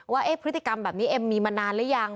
ว่าพฤติกรรมแบบนี้เอ็มมีมานานหรือยัง